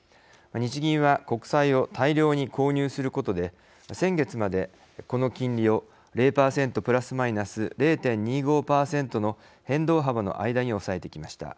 日銀は国債を大量に購入することで先月までこの金利を０％プラスマイナス０．２５％の変動幅の間に抑えてきました。